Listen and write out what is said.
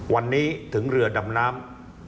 วันนี้ถึงเรือดำน้ำ